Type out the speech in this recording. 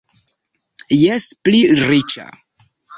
Jes, pli riĉa.